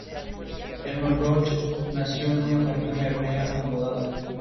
Hermann Broch nació en una familia hebrea acomodada.